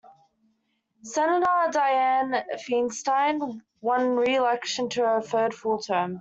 Senator Dianne Feinstein won re-election to her third full term.